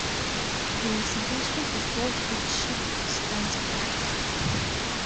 The establishment was close to Chicksands Priory.